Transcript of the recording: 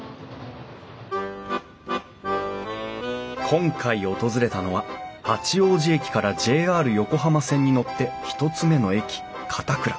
今回訪れたのは八王子駅からＪＲ横浜線に乗って１つ目の駅片倉。